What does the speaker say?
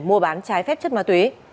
mua bán trái phép chất ma túy